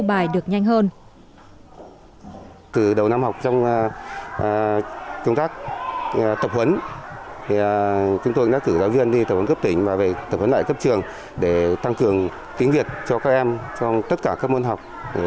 từ đầu năm học trong công tác tập huấn chúng tôi đã cử giáo viên đi tập huấn cấp tỉnh và về tập huấn lại cấp trường để tăng cường tiếng việt cho các em trong tất cả các môn học